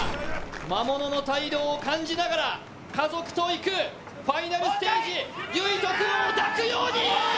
魔物の胎動を感じながら家族と行くファイナルステージ、結仁君を抱くように。